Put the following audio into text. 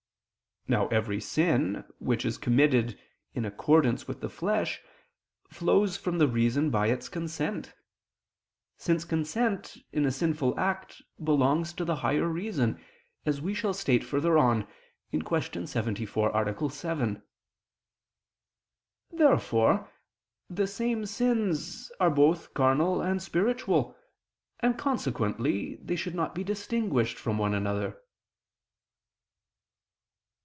Now every sin, which is committed in accordance with the flesh, flows from the reason by its consent; since consent in a sinful act belongs to the higher reason, as we shall state further on (Q. 74, A. 7). Therefore the same sins are both carnal and spiritual, and consequently they should not be distinguished from one another.